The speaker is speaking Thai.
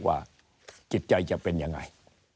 ว่ากิจใจจะเป็นยังไง